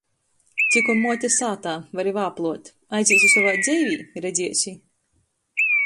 Cikom muote sātā, vari vāpluot. Aizīsi sovā dzeivē, redzeisi!